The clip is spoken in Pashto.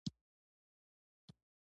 مثبت احساسات په مغز څه کوي؟